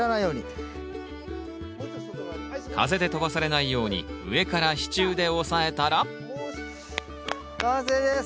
風で飛ばされないように上から支柱で押さえたら完成です！